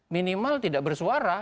minimal tidak bersuara